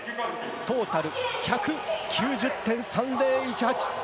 トータル１９０．３０１８。